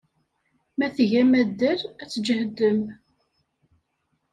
Ma tgam addal, ad tjehdem.